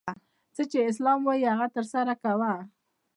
څه چي اسلام وايي هغه ترسره کوه!